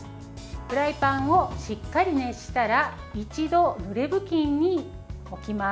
フライパンをしっかり熱したら一度、ぬれ布巾に置きます。